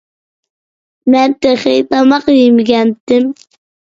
مەن تېخى تاماق يېمىگەنتىم.